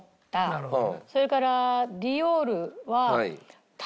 なるほど。